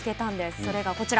それがこちら。